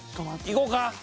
いこうか。